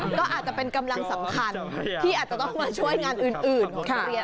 ก็อาจจะเป็นกำลังสำคัญที่อาจจะต้องมาช่วยงานอื่นของโรงเรียน